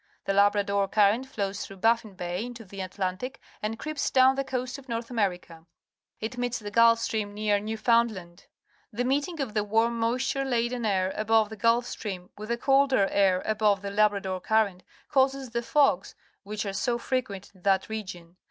T he Labrador Cu rrent flows .tln;ougli Baffin Bay into th e Atlantic and creeps down the coast of North America. I t nieets the Gulf Stream near Newfoundland. __The meeting of the warm moisture lad en air abo\'e the Gulf Stream with the colder air over the Labrador Cu rren t causes the fogs which are so frequent in that i egion.